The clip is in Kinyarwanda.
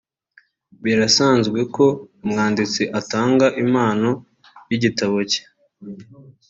Birasanzwe ko umwanditsi atanga impano y’igitabo cye